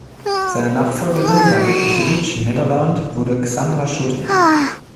Seine Nachfolgerin bei "Vrij Nederland" wurde Xandra Schutte.